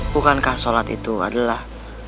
bukankah sholat itu adalah